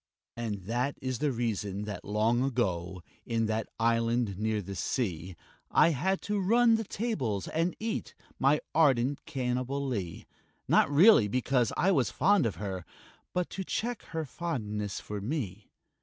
And that is the reason that long ago, In that island near the sea, I had to turn the tables and eat My ardent Cannibalee Not really because I was fond of her, But to check her fondness for me.